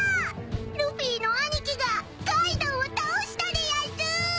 ルフィの兄貴がカイドウを倒したでやんす！